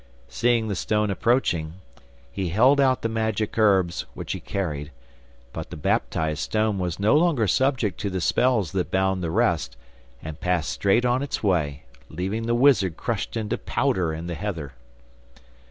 Seeing the stone approaching, he held out the magic herbs which he carried, but the baptized stone was no longer subject to the spells that bound the rest, and passed straight on its way, leaving the wizard crushed into powder in the heather.